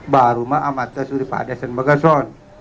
baru ma amat tasuri padas dan bagason